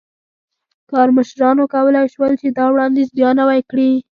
کارمشرانو کولای شول چې دا وړاندیز بیا نوی کړي.